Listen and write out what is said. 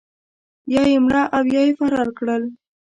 یا یې مړه او یا یې فرار کړل.